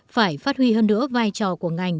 phải phát huy hơn nữa vai trò của ngành